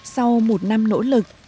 sau một năm nỗ lực